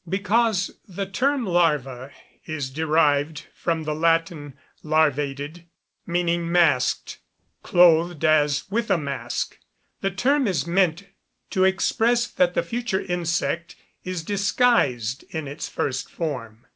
_ Because the term larva is derived from the Latin larvated, meaning masked, clothed as with a mask; the term is meant to express that the future insect is disguised in its first form.